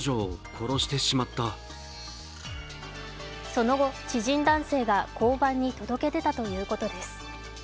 その後、知人男性が交番に届け出たということです。